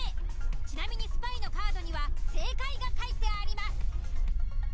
ちなみにスパイのカードには正解が書いてあります。